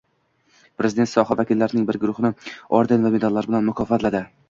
Prezident soha vakillarining bir guruhini orden va medallar bilan mukofotladi